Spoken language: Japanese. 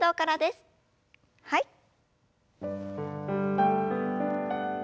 はい。